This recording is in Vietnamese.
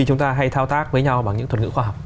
chúng ta hay thao tác với nhau bằng những thuật ngữ khoa học